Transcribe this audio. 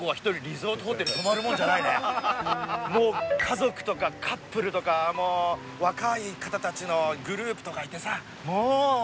もう家族とかカップルとかもう若い方たちのグループとかいてさ。